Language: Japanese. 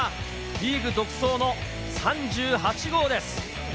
リーグ独走の３８号です。